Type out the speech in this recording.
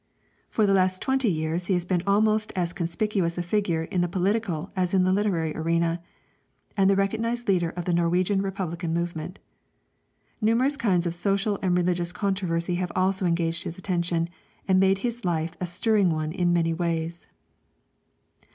For the last twenty years he has been almost as conspicuous a figure in the political as in the literary arena, and the recognized leader of the Norwegian republican movement. Numerous kinds of social and religious controversy have also engaged his attention, and made his life a stirring one in many ways.